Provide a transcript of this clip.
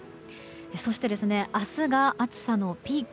そして、明日が暑さのピーク。